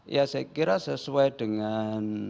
ya saya kira sesuai dengan